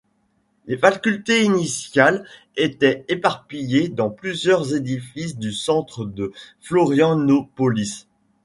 Les facultés initiales était éparpillées dans plusieurs édifices du centre de Florianópolis.